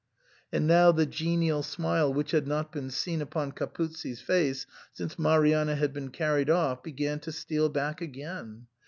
And now the genial smile which had not been seen upon Capuzzi's face since Marianna had been carried off, began to steal back again.